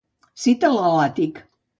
Cita'l a l'àtic.